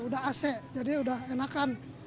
udah ac jadi udah enakan